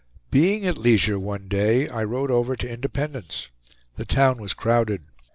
Being at leisure one day, I rode over to Independence. The town was crowded.